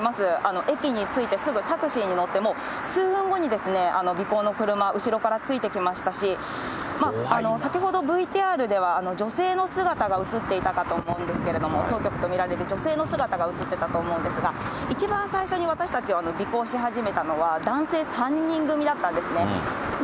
駅に着いてすぐタクシーに乗って、もう数分後に尾行の車、後ろからついてきましたし、先ほどＶＴＲでは、女性の姿が写っていたかと思うんですけれども、当局と見られる女性の姿が写ってたと思うんですが、一番最初に私たちを尾行し始めたのは男性３人組だったんですね。